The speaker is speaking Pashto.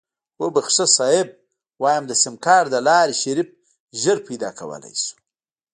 وبښه صيب ويم د سيمکارټ دلارې شريف زر پيدا کولی شو.